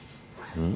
うん？